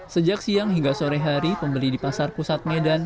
sejak siang hingga sore hari pembeli di pasar pusat medan